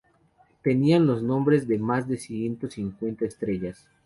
Tenían los nombres de más de ciento cincuenta estrellas.